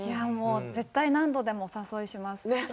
絶対何度でもお誘いします。